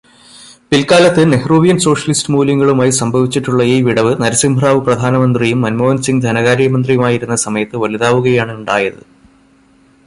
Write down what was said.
പിൽക്കാലത്ത്, Nehruvian socialist മൂല്യങ്ങളുമായി സംഭവിച്ചിട്ടുള്ള ഈ വിടവ്, നരസിംഹറാവു പ്രധാനമന്ത്രിയും മൻമോഹൻസിങ്ങ് ധനകാര്യമന്ത്രിയുമായിരുന്ന സമയത്ത് വലുതാവുകയാണുണ്ടായത്.